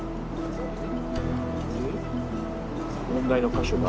で問題の箇所が？